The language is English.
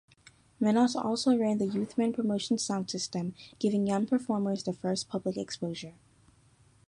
Minott also ran the Youthman Promotion sound-system, giving young performers their first public exposure.